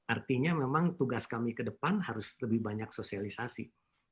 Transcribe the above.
artinya memang tugas kami ke depan harus lebih banyak sosialisasi